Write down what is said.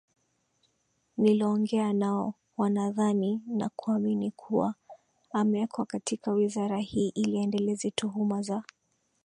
niloongea nao wanadhani na kuamini kuwa amewekwa katika wizara hii ili aendeleze tuhuma za